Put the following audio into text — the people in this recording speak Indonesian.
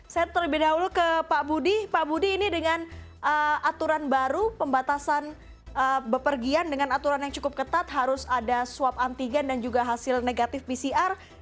saya terlebih dahulu ke pak budi pak budi ini dengan aturan baru pembatasan bepergian dengan aturan yang cukup ketat harus ada swab antigen dan juga hasil negatif pcr